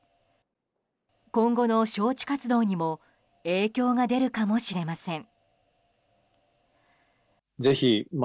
今後の招致活動にも影響が出るかもしれません。